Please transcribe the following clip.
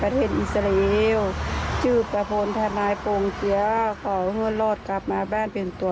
ถูกโปกลับมาบ้านล่ะ